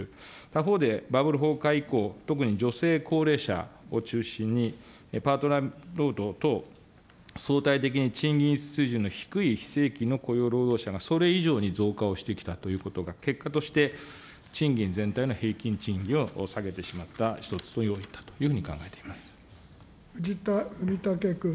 他方でバブル崩壊以降、特に女性、高齢者を中心に、パートナー労働等、総体的に賃金水準の低い非正規の雇用労働者が、それ以上に増加をしてきたということが、結果として賃金全体の平均賃金を下げてしまった１つの要因だとい藤田文武君。